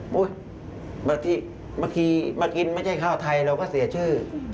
บางทีมากินไม่ใช่ข้าวไทยเราก็เสียชื่อ